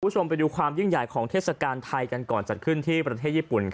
คุณผู้ชมไปดูความยิ่งใหญ่ของเทศกาลไทยกันก่อนจัดขึ้นที่ประเทศญี่ปุ่น